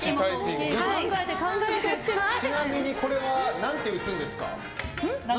ちなみに、これは何て打つんですか？